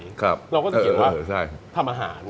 เราก็จะเขียนว่าทำอาหาร